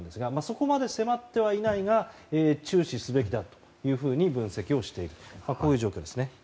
そこまで迫ってはいないが注視すべきだと分析をしているという状況です。